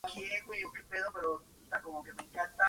Tras diversas pruebas, Pinero finalmente encontró una solución.